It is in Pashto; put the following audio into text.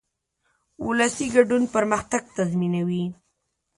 ولسي ګډون پرمختګ تضمینوي.